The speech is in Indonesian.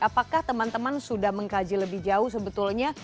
apakah teman teman sudah mengkaji lebih jauh sebetulnya